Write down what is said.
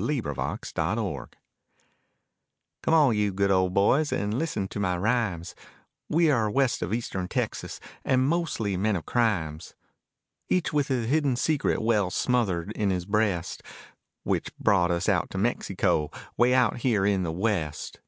LACKEY BILL Come all you good old boys and listen to my rhymes, We are west of Eastern Texas and mostly men of crimes; Each with a hidden secret well smothered in his breast, Which brought us out to Mexico, way out here in the West.